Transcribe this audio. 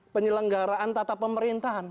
penyelenggaraan tata pemerintahan